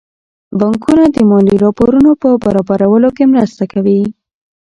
بانکونه د مالي راپورونو په برابرولو کې مرسته کوي.